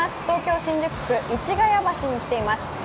東京・新宿区、市ヶ谷橋に来ています。